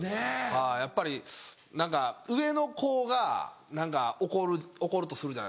はいやっぱり何か上の子が何か怒るとするじゃないですか。